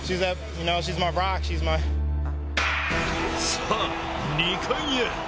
さあ、２冠へ。